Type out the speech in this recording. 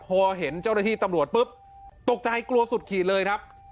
พอเห็นเจ้าหน้าที่ตำรวจปุ๊บตกใจกลัวสุดขีดเลยครับ